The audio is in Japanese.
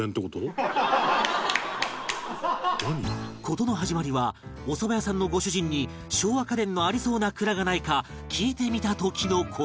事の始まりはおそば屋さんのご主人に昭和家電のありそうな蔵がないか聞いてみた時の事